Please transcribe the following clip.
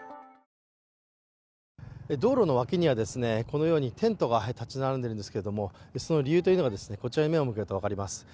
道路の脇には、このようにテントがたち並んでいるんですけどその理由というのがこちらに目を向けると分かります。